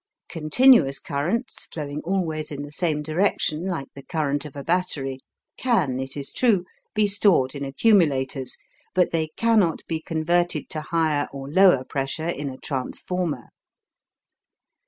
Continuous currents, flowing always in the same direction, like the current of a battery, can, it is true, be stored in accumulators, but they cannot be converted to higher or lower pressure in a transformer.